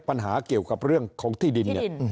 ปัญหาเกี่ยวกับเรื่องของที่ดินเนี่ย